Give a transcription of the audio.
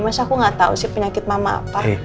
masa aku gak tau sih penyakit mama apa